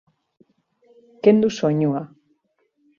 Kendu soinua.